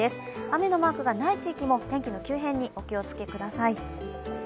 雨のマークがない地域も天気の急変にお気をつけください。